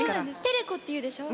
テレコっていうでしょ。